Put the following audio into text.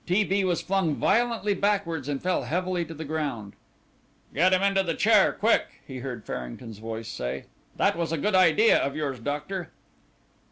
T. B. was flung violently backwards and fell heavily to the ground. "Get him into the chair quick," he heard Farrington's voice say. "That was a good idea of yours, doctor."